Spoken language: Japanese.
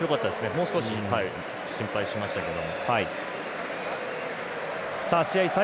もう少し心配しましたけど。